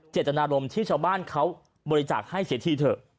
เจตนารมณ์ที่ชาวบ้านเขาบริจาคให้เสียทีเถอะ